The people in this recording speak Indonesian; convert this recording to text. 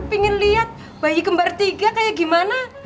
pengen lihat bayi kembar tiga kayak gimana